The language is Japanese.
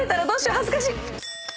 恥ずかしい！